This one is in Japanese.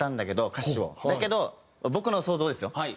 だけど僕の想像ですよ。